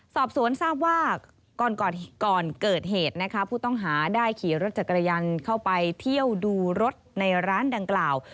สอบสวนทราบว่าก่อนเกิดเหตุนะคะผู้ต้องหาได้ขี่รถจักรยานเข้าไปเที่ยวดูรถในร้านดังกล่าว